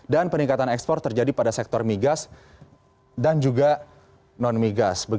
dan peningkatan ekspor terjadi pada sektor migas dan juga non migas